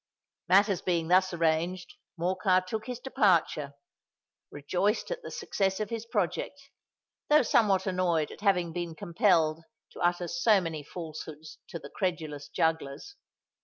Matters being thus arranged, Morcar took his departure—rejoiced at the success of his project, though somewhat annoyed at having been compelled to utter so many falsehoods to the credulous jugglers.